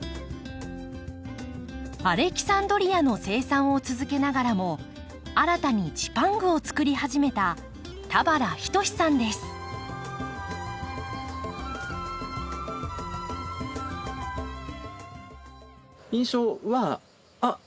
アレキサンドリアの生産を続けながらも新たにジパングをつくり始めた印象は「あっ！